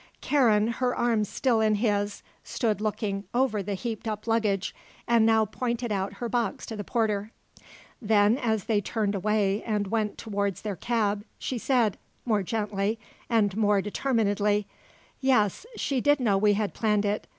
Karen, her arm still in his, stood looking over the heaped up luggage and now pointed out her box to the porter. Then, as they turned away and went towards their cab, she said, more gently and more determinedly: "Yes; she did know we had planned it.